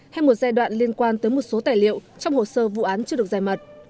hay một giai đoạn liên quan tới một số tài liệu trong hồ sơ vụ án chưa được giải mật